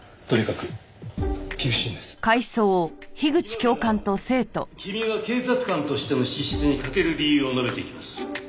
今から君が警察官としての資質に欠ける理由を述べていきます。